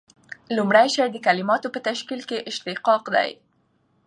لومړی شی د کلیماتو په تشکیل کښي اشتقاق دئ.